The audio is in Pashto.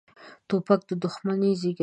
توپک دښمني زېږوي.